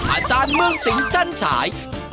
อาจารย์เมืองสิงจันฉาย